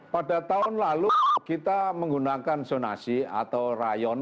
pada tahun lalu kita menggunakan zonasi atau rayon